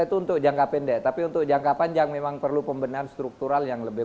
itu untuk jangka pendek tapi untuk jangka panjang memang perlu pembenahan struktural yang lebih